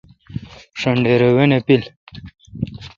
ݭن ڈیر وائ نہ پیل۔